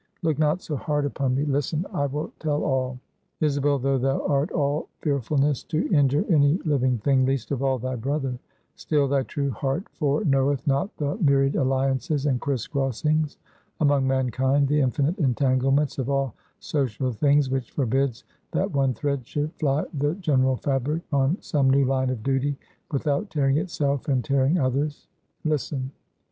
Look not so hard upon me. Listen. I will tell all. Isabel, though thou art all fearfulness to injure any living thing, least of all, thy brother; still thy true heart foreknoweth not the myriad alliances and criss crossings among mankind, the infinite entanglements of all social things, which forbids that one thread should fly the general fabric, on some new line of duty, without tearing itself and tearing others. Listen.